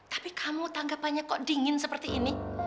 tapi kamu tanggapannya kok dingin seperti ini